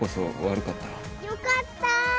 良かった。